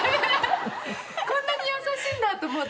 こんなに優しいんだと思って。